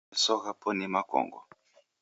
Meso ghapo ni makongo